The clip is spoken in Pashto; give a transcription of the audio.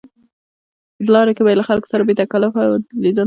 په لاره کې به یې له خلکو سره بې تکلفه لیدل.